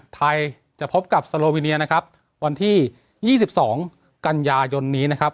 ไทยจะพบกับสโลวิเนียนะครับวันที่๒๒กันยายนนี้นะครับ